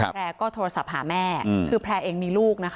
แพรร์ก็โทรสับหาแม่คือแพรร์เองมีลูก